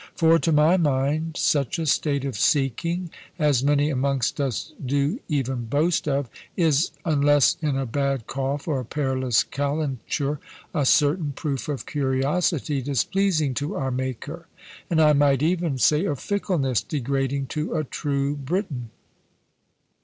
For, to my mind, such a state of seeking, as many amongst us do even boast of, is, unless in a bad cough or a perilous calenture, a certain proof of curiosity displeasing to our Maker, and I might even say of fickleness degrading to a true Briton.